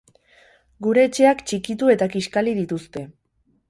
Gure etxeak txikitu eta kiskali dituzte.